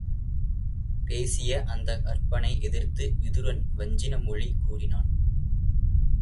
பேசிய அந்த அற்பனை எதிர்த்து விதுரன் வஞ்சின மொழி கூறினான்.